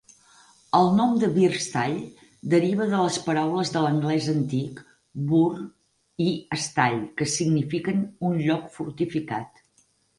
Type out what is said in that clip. El nom de Birstall deriva de les paraules de l'anglès antic "burh" i "stall" que signifiquen un lloc fortificat.